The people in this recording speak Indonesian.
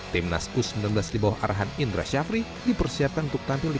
timnas u sembilan belas di bawah arahan indra syafri dipersiapkan untuk tampil di